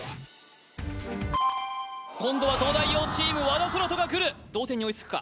今度は東大王チーム和田空大がくる同点に追いつくか？